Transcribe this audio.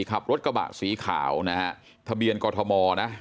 ขับรถกระบะสีขาวนะฮะทะเบียนกอทมนะ